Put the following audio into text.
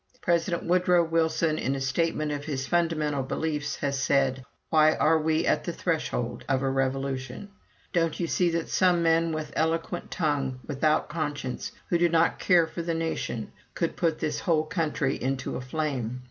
"President Woodrow Wilson in a statement of his fundamental beliefs has said: 'Why are we in the presence, why are we at the threshold, of a revolution? ... Don't you know that some man with eloquent tongue, without conscience, who did not care for the nation, could put this whole country into a flame?